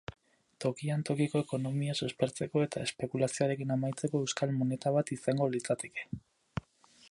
Tokian tokiko ekonomia suspertzeko eta espekulazioarekin amaitzeko euskal moneta bat izango litzateke.